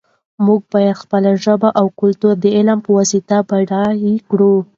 موږ باید خپله ژبه او کلتور د علم په واسطه بډایه کړو.